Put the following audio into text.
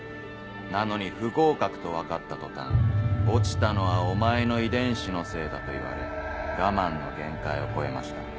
なのに不合格と分かった途端落ちたのはお前の遺伝子のせいだと言われ我慢の限界を超えました。